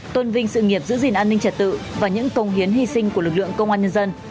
tôn vinh sự nghiệp giữ gìn an ninh trật tự và những công hiến hy sinh của lực lượng công an nhân dân